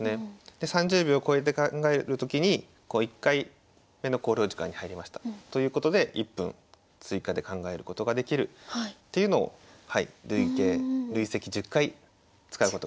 で３０秒超えて考えるときに「１回目の考慮時間に入りました」ということで１分追加で考えることができるというのを累積１０回使うことができます。